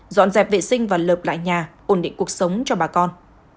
dọn dẹp vệ sinh và lợp lại nhà ổn định cuộc sống cho bà con